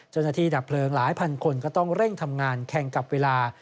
ดับเพลิงหลายพันคนก็ต้องเร่งทำงานแข่งกับเวลา